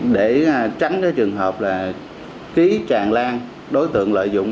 để tránh trường hợp ký tràn lan đối tượng lợi dụng